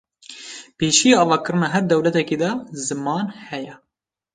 pêşiya avakirina her dewletêkî de ziman heye